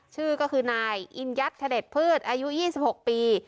ชื่อก็คือนายอินยัตเฉอเดศพืชอายุยี่สิบหกปี